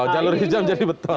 jalur hijau menjadi beton